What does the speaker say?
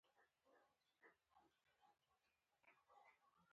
د عدالت راز پيژندونکو وویل.